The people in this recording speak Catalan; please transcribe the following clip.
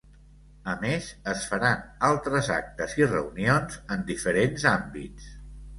A més, es faran altres actes i reunions en diferents àmbits.